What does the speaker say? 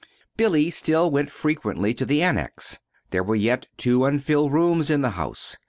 Billy still went frequently to the Annex. There were yet two unfilled rooms in the house.